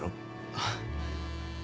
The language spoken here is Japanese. あっ。